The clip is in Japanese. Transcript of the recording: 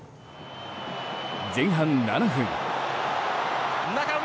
前半７分。